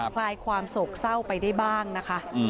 คลายความโศกเศร้าไปได้บ้างนะคะ